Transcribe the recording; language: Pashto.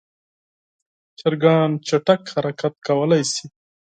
چرګان چټک حرکت کولی شي.